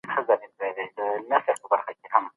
تاسو له نورو سره مرسته وکړه.